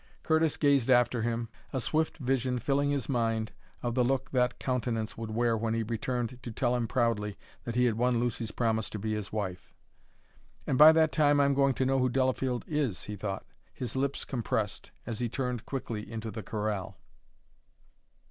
Curtis gazed after him, a swift vision filling his mind of the look that countenance would wear when he returned to tell him proudly that he had won Lucy's promise to be his wife. "And by that time I'm going to know who Delafield is," he thought, his lips compressed, as he turned quickly into the corral.